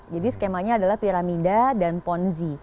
jadi skemanya adalah piramida dan ponzi